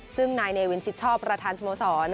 ซึ่งนายเนวินชิดชอบประธานสโมสร